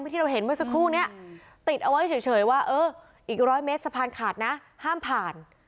ที่เราเห็นเมื่อสักครู่นี้ติดเอาไว้เฉยว่าเอออีกร้อยเมตรสะพานขาดนะห้ามผ่าน